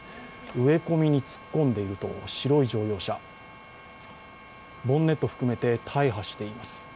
植え込みに突っ込んでいる白い乗用車、ボンネット含めて大破しています。